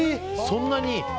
そんなに？